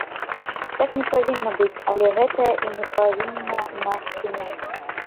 Так не павінна быць, але гэта і не павінна нас спыняць.